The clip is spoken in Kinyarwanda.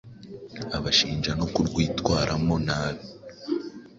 Abashinja no kurwitwaramo nabi